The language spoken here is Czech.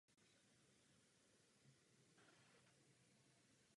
Poblíž města se nachází i smírčí kříž.